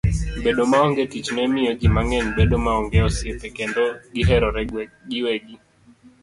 Bedo maonge tich ne miyo ji mang'eny bedo maonge osiepe kendo giherore giwegi.